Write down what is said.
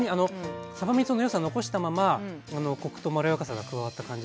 さばみその良さ残したままコクとまろやかさが加わった感じで。